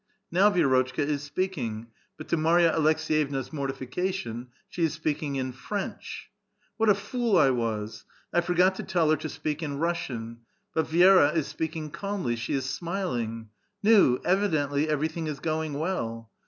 Now Vi^rotchka is speaking, but to Marya Aleks^yevna's mortification she is speaking in French. "What a fool I was ! I forgot to tell her to speak in Russian ; but Vi^ra is speaking calmly ; she is smiling. Nu ! evidently every thing is going well.